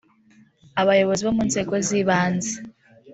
abayobozi bo mu nzego z’ibanze